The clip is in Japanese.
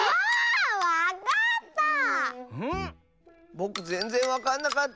ぼくぜんぜんわかんなかった！